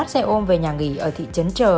lo sợ bị phát hiện